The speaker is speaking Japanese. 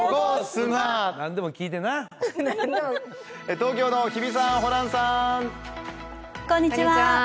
東京の日比さん、ホランさん。